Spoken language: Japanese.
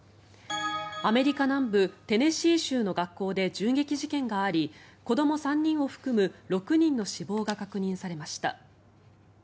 アメリカ南部テネシー州の学校で銃撃事件があり子ども３人を含む６人の死亡が確認されました。